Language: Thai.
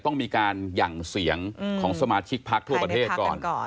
ต้องมีการหยั่งเสียงของสมาชิกพักทั่วประเทศก่อน